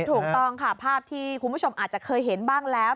ถูกต้องค่ะภาพที่คุณผู้ชมอาจจะเคยเห็นบ้างแล้ว